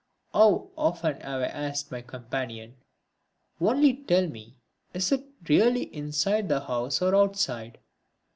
How often have I asked my companion, "Only tell me, is it really inside the house or outside?"